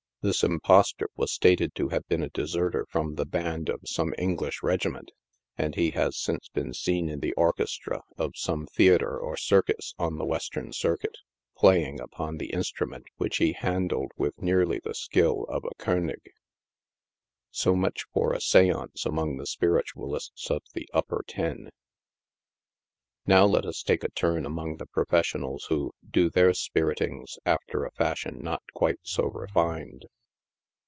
This imposter was stated to have been a deserter from the band of some English regiment, and he has since been seen in the orchestra of some theatre or circus on the western circuit, playing upon the instrument which he handled with nearly the skill of a Kcenig. So much for a seance among the spiritualists of the " upper ten." Now let us take a turn among the professionals who " do their spir itings" after a fashion not quite so refined.